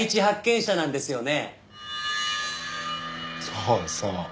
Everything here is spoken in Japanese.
そうそう。